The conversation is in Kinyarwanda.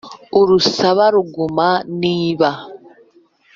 uransaba kuguma, niba